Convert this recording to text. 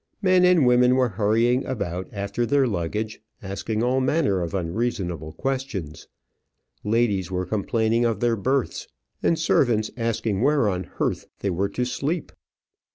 Men and women were hurrying about after their luggage, asking all manner of unreasonable questions. Ladies were complaining of their berths, and servants asking where on _h_earth they were to sleep.